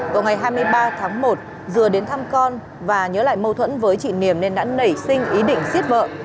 vào ngày hai mươi ba tháng một dừa đến thăm con và nhớ lại mâu thuẫn với chị niềm nên đã nảy sinh ý định giết vợ